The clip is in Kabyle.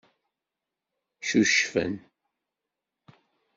Cucfen.